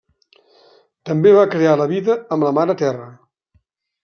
També va crear la vida amb la Mare Terra.